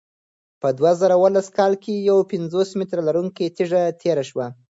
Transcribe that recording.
په دوه زره اوولس کال کې یوه پنځلس متره لرونکې تیږه تېره شوه.